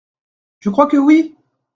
Je crois que oui !